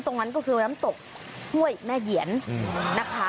ตรงนั้นก็คือน้ำตกห้วยแม่เหยียนนะคะ